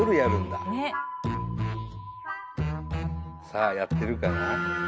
さあやってるかな？